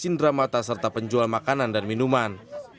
cindera mata serta penjual makanan dan minuman